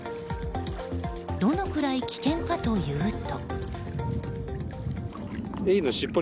どのくらい危険かというと。